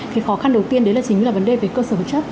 thì khó khăn đầu tiên chính là vấn đề về cơ sở vật chất